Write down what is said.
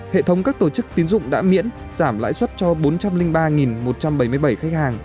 hệ thống các tổ chức tín dụng đã miễn giảm lãi suất cho bốn trăm linh ba một trăm bảy mươi bảy khách hàng